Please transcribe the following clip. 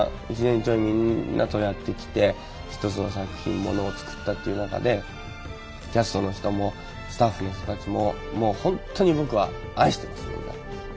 １年ちょいみんなとやってきて一つの作品物を作ったっていう中でキャストの人もスタッフの人たちももう本当に僕は愛してますみんな。